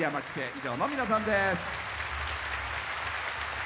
以上の皆さんです。